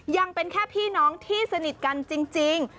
ยังเป็นแค่พี่น้องที่สนิทกันจริง